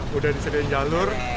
sudah disediakan jalur